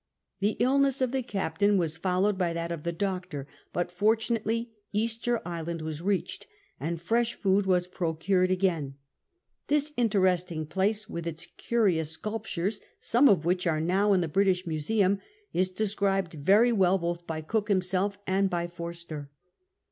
The illness of the cap tain was followed by tliat of the doctor, but fortunately Easter Island Avas reached, and fresh food was jn'oeured again. This interesting place, with its curious sculp tures, some of which are now in the British Museum, is described very well both by Cook himself and by Forster.